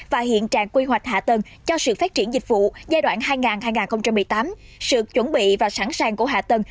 và hiện trạng quy hoạch hạ tầng cho sự phát triển dịch vụ giai đoạn hai nghìn hai mươi tám sự chuẩn bị và sẵn sàng của hạ tầng